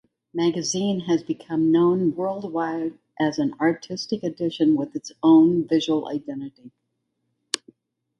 Magazine has become known worldwide as an artistic edition with its own visual identity.